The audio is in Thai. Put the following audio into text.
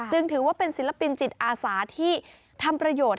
ถือว่าเป็นศิลปินจิตอาสาที่ทำประโยชน์